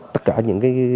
tất cả những cái